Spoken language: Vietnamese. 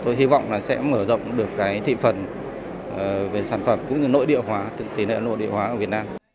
tôi hy vọng sẽ mở rộng được thị phần về sản phẩm cũng như nội địa hóa tỉ nệ nội địa hóa của việt nam